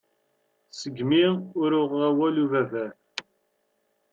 Seg-mi ur uɣeɣ awal ubabat.